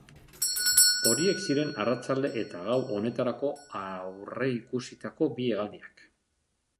Horiek ziren arratsalde eta gau honetarako aurreikusitako bi hegaldiak.